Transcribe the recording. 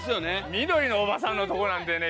「緑のおばさん」のとこなんてね